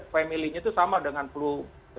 family nya itu sama dengan flu